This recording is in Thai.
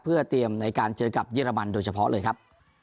เพื่อเตรียมในการเจอกับเยอรมันโดยเฉพาะเลยครับ